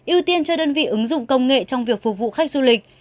ưu tiên cho đơn vị ứng dụng công nghệ trong việc phục vụ khách du lịch